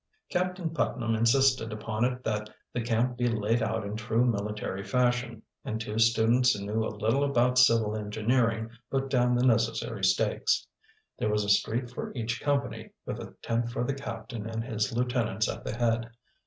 Captain Putnam insisted upon it that the camp be laid out in true military fashion, and two students who knew a little about civil engineering put down the necessary stakes. There was a street for each company, with a tent for the captain and his lieutenants at the head.